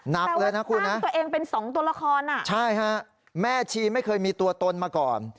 นักเลยนะคุณนะใช่ฮะแม่ชีไม่เคยมีตัวตนมาก่อน